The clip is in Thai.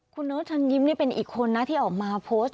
คุณโน๊ตฉันยิ้มเป็นอีกคนน่ะที่ออกมาโพสต์